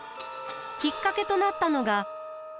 きっかけとなったのが。